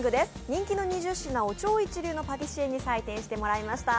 人気の２０品を超一流のパティシエに採点してもらいました。